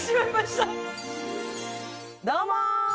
どうも！